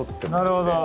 なるほど。